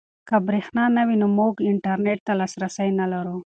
که برېښنا نه وي موږ انټرنيټ ته لاسرسی نلرو.